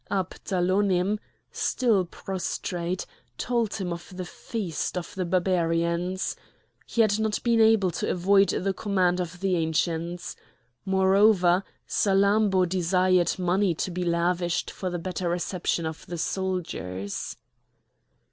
Abdalonim, still prostrate, told him of the feast of the Barbarians. He had not been able to avoid the command of the Ancients. Moreover, Salammbô desired money to be lavished for the better reception of the soldiers.